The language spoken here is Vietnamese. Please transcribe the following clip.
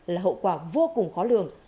là hậu quả vô cùng khó lường